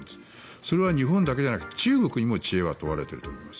それは日本だけじゃなくて中国にも知恵は問われていると思います。